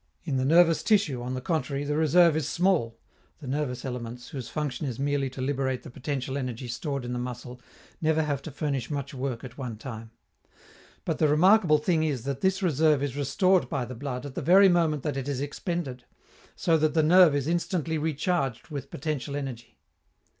In the nervous tissue, on the contrary, the reserve is small (the nervous elements, whose function is merely to liberate the potential energy stored in the muscle, never have to furnish much work at one time); but the remarkable thing is that this reserve is restored by the blood at the very moment that it is expended, so that the nerve is instantly recharged with potential energy.